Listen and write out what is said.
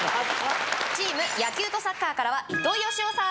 チーム野球とサッカーからは糸井嘉男さん